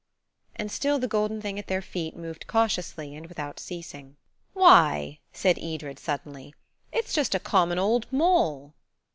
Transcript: And still the golden thing at their feet moved cautiously and without ceasing. "Why," said Edred suddenly, "it's just a common old mole."